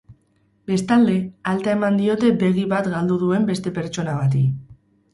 Bestalde, alta eman diote begi bat galdu duen beste pertsona bati.